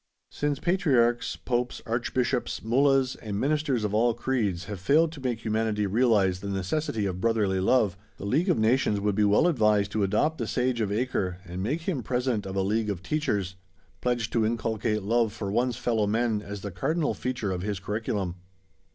Since Patriarchs, Popes, Archbishops, Mullahs, and ministers of all creeds have failed to make humanity realise the necessity of "brotherly love," the League of Nations would be well advised to adopt the Sage of Acre and make him President of a "League of Teachers," pledged to inculcate love for one's fellowmen as the cardinal feature of his curriculum.